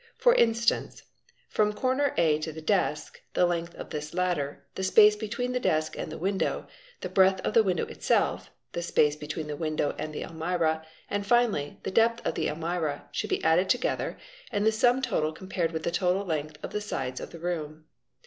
For instance, from corner @ to the desk, the length | of this latter, the space between the desk and the window, the breadth ' of the window itself, the space between the window and the almirah, and finally the depth of the almirah, should be added together and the sum total compared with the total length of the side of the room.